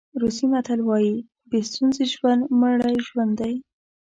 روسي متل وایي بې ستونزې ژوند مړی ژوند دی.